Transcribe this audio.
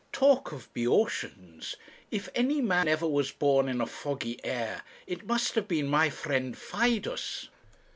Talk of Boeotians, if any man ever was born in a foggy air, it must have been my friend Fidus.'